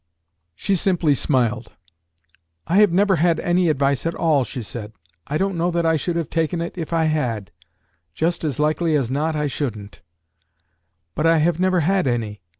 She simply smiled. "I have never had any advice at all," she said. "I don't know that I should have taken it if I had just as likely as not I shouldn't; but I have never had any.